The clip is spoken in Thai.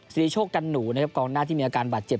สิริโชคกันหนูนะครับกองหน้าที่มีอาการบาดเจ็บ